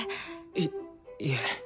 いいえ。